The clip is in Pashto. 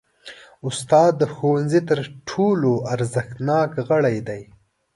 استاد د ښوونځي تر ټولو ارزښتناک غړی دی.